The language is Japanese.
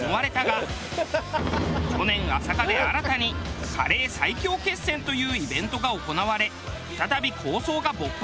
去年朝霞で新たにカレー最強決戦というイベントが行われ再び抗争が勃発。